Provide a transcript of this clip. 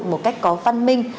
một cách có văn minh